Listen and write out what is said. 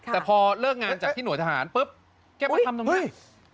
แต่พอเลิกงานจากที่หน่วยทหารปุ๊บแกมาทำตรงนี้